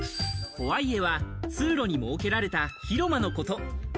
ホワイエは通路に設けられた広間のこと。